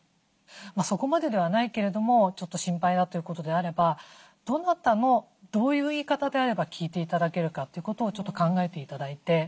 そこまでではないけれどもちょっと心配だということであればどなたのどういう言い方であれば聞いて頂けるかということをちょっと考えて頂いて。